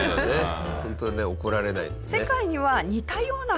ホントだね怒られないのがね。